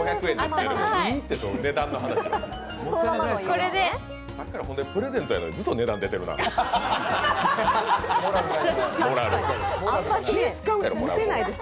さっきからプレゼントやのにずっと値段出てるなあ。